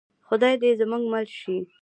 خدای دې زموږ مل شي